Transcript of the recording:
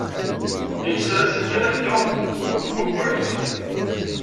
Inser-asen kan akka umakar-nni.